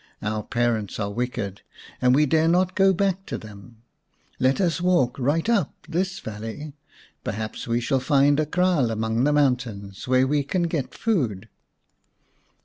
Our parents are wicked, and we dare not go back to them. Let us walk right up this valley; perhaps we shall find a kraal among the mountains where we can get food."